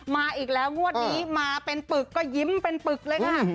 มาอีกแล้วงวดนี้มาเป็นปึกก็ยิ้มเป็นปึกเลยค่ะ